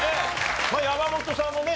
山本さんもね